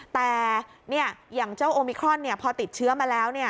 แต่อย่างเจ้าโอมิครอนพอติดเชื้อมาแล้ว